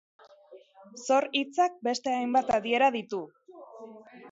Zor hitzak beste hainbat adiera ditu.